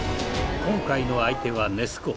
今回の相手はネス湖。